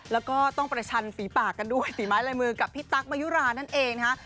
แล้วก็ต้องประชันฝีปากกันด้วยฝีไม้ลายมือกับพี่ตั๊กมายุรานั่นเองนะฮะ